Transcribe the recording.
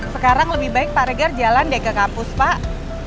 sekarang lebih baik pak regar jalan deh ke kampus pak